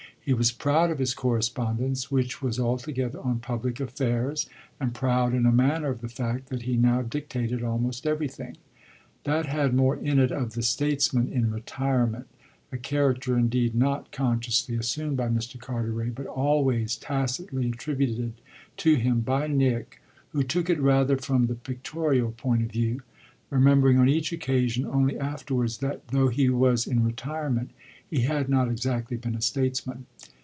He was proud of his correspondence, which was altogether on public affairs, and proud in a manner of the fact that he now dictated almost everything. That had more in it of the statesman in retirement, a character indeed not consciously assumed by Mr. Carteret, but always tacitly attributed to him by Nick, who took it rather from the pictorial point of view remembering on each occasion only afterwards that though he was in retirement he had not exactly been a statesman.